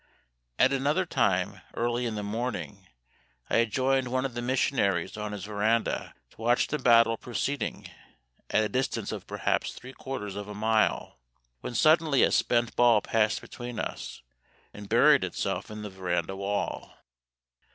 At another time, early in the morning, I had joined one of the missionaries on his verandah to watch the battle proceeding, at a distance of perhaps three quarters of a mile, when suddenly a spent ball passed between us and buried itself in the verandah wall.